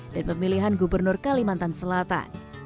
dan pemilihan gubernur kalimantan selatan